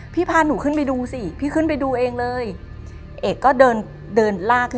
พี่พาหนูขึ้นไปดูสิ